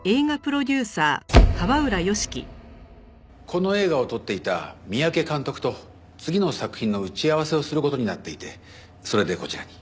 この映画を撮っていた三宅監督と次の作品の打ち合わせをする事になっていてそれでこちらに。